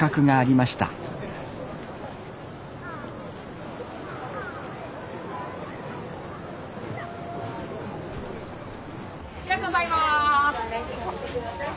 ありがとうございます。